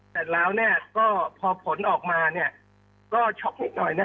แต่แล้วเนี่ยก็พอผลออกมาเนี่ยก็ช็อกนิดหน่อยนะฮะ